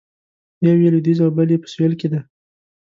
یو یې لویدیځ او بل یې په سویل کې دی.